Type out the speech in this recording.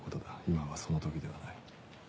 今はその時ではない。